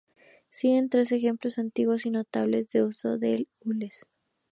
Siguen tres ejemplos antiguos y notables del uso del gules.